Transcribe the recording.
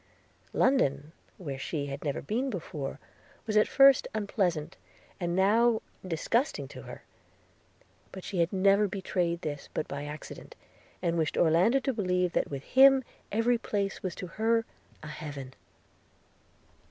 – London, where she had never been before, was at first unpleasant, and now disgusting to her; but she never betrayed this but by accident, and wished Orlando to believe that with him every place was to her a heaven.